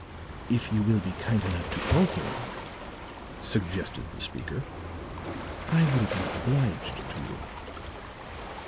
"If you will be kind enough to call him," suggested the speaker, "I will be obliged to you."